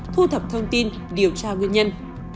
thu thập thông tin điều tra nguyên nhân